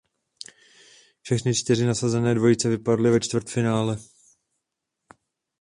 Všechny čtyři nasazené dvojice vypadly ve čtvrtfinále.